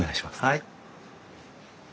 はい。